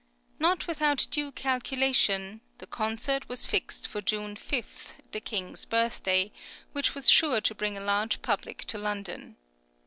Not without due calculation, the concert was fixed for June 5, the King's birthday, which was sure to bring a large public to London.